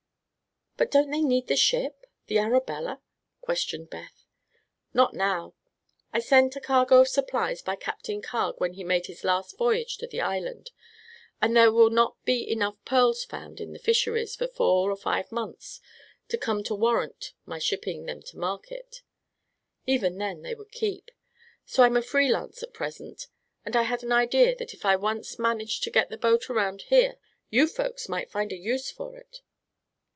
"But don't they need the ship the Arabella?" questioned Beth. "Not now. I sent a cargo of supplies by Captain Carg when he made his last voyage to the island, and there will not be enough pearls found in the fisheries for four or five months to come to warrant my shipping them to market. Even then, they would keep. So I'm a free lance at present and I had an idea that if I once managed to get the boat around here you folks might find a use for it."